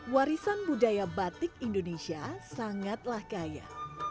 warisan budaya batik indonesia sangatlah kaya